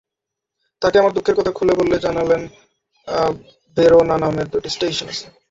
তাকে আমার দুঃখের কথা খুলে বললে জানালেন ভেরোনা নামের দুটি স্টেশন আছে।